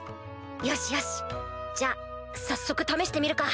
よしよしじゃあ早速試してみるか。